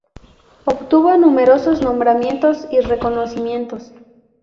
Obtuvo numerosos nombramientos y reconocimientos.